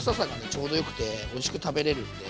ちょうどよくておいしく食べれるんで。